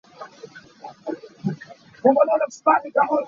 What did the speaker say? Khuat tampi kan ngei.